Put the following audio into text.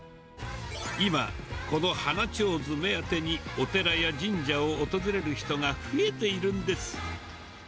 今、この花ちょうず目当てにお寺や神社を訪れる人が増えているんです。